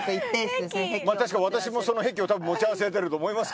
確かに私もその癖を持ち合わせてると思いますけども。